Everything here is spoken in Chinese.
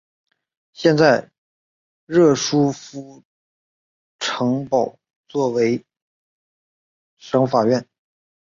现在热舒夫城堡用作省法院。